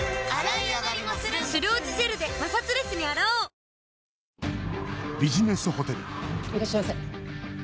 いらっしゃいませ。